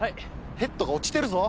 ヘッドが落ちてるぞ！